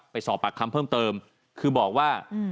ไปสอบปากคำเพิ่มเติมคือบอกว่า